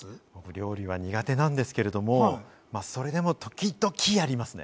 料理は苦手なんですけれども、それでも時々やりますね。